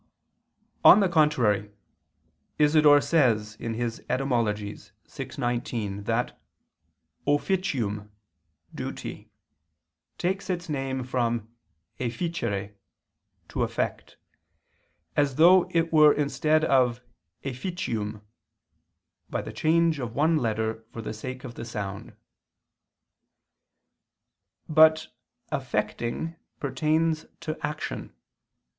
On the contrary, Isidore says (Etym. vi, 19) that "officium (duty) takes its name from efficere (to effect), as though it were instead of efficium, by the change of one letter for the sake of the sound." But effecting pertains to action.